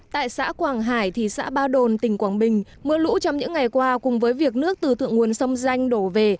tại xã quảng hải thị xã ba đồn tỉnh quảng bình mưa lũ trong những ngày qua cùng với việc nước từ thượng nguồn sông danh đổ về